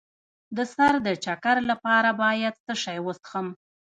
د سر د چکر لپاره باید څه شی وڅښم؟